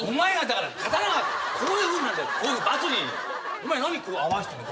お前何こう合わせてんの？